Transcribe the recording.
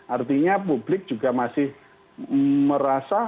artinya publik juga masih merasa